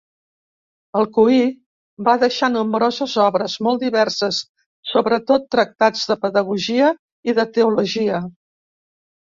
Alcuí va deixar nombroses obres, molt diverses, sobretot tractats de pedagogia i de teologia.